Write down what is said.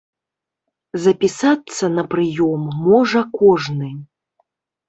Запісацца на прыём можа кожны.